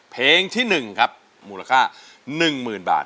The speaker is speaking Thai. เพลงที่๑ครับมูลค่า๑๐๐๐บาท